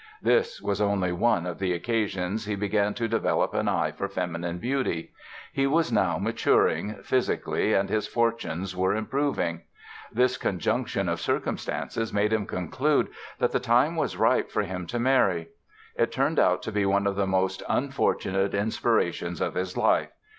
This was only one of the occasions he began to develop an eye for feminine beauty. He was now maturing, physically, and his fortunes were improving. This conjunction of circumstances made him conclude that the time was ripe for him to marry. It turned out to be one of the most unfortunate inspirations of his life.